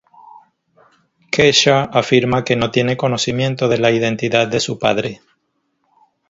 Kesha afirma que no tiene conocimiento de la identidad de su padre.